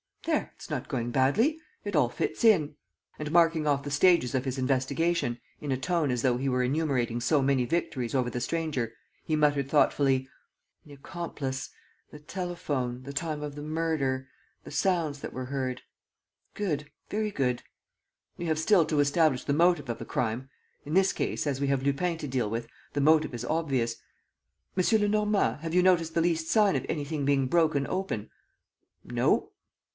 ... There, it's not going badly ... it all fits in. ..." And, marking off the stages of his investigation, in a tone as though he were enumerating so many victories over the stranger, he muttered thoughtfully: "The accomplice ... the telephone ... the time of the murder ... the sounds that were heard. ... Good. ... Very good. ... We have still to establish the motive of the crime. ... In this case, as we have Lupin to deal with, the motive is obvious. M. Lenormand, have you noticed the least sign of anything being broken open?" "No."